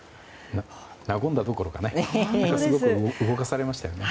和んだどころかものすごく動かされましたね。